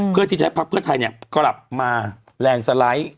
เพื่อที่จะให้พักเพื่อไทยกลับมาแลนด์สไลด์